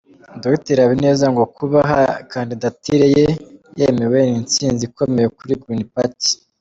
Dr Habineza ngo kuba kandidatire ye yemewe “Ni intsinzi ikomeye kuri Green Party”.